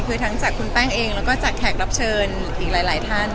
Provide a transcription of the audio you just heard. คือทั้งจากคุณแป้งเองแล้วก็จากแขกรับเชิญอีกหลายท่าน